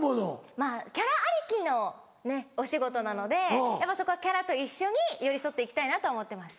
まぁキャラありきのお仕事なのでそこはキャラと一緒に寄り添って行きたいなとは思ってます。